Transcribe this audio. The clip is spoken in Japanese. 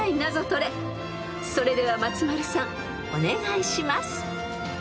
［それでは松丸さんお願いします］